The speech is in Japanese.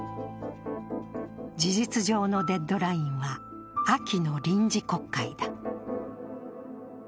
事実上のデッドラインは、秋の臨時国会だ。